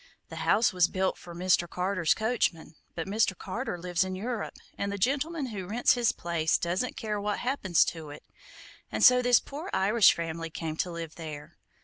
The house was built for Mr. Carter's coachman, but Mr. Carter lives in Europe, and the gentleman who rents his place doesn't care what happens to it, and so this poor Irish family came to live there.